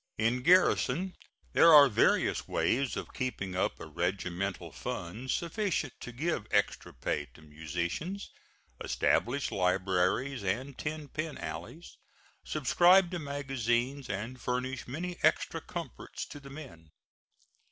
In garrison there are various ways of keeping up a regimental fund sufficient to give extra pay to musicians, establish libraries and ten pin alleys, subscribe to magazines and furnish many extra comforts to the men.